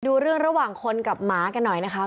ดูเรื่องระหว่างคนกับหมากันหน่อยนะครับ